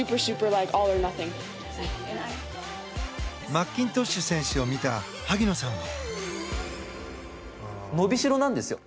マッキントッシュ選手を見た、萩野さんは。